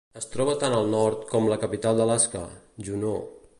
Es troba tan al nord com la capital d'Alaska, Juneau.